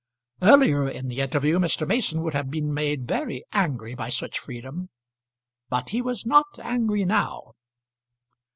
Earlier in the interview Mr. Mason would have been made very angry by such freedom, but he was not angry now.